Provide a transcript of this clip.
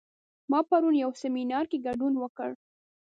ما پرون یو سیمینار کې ګډون وکړ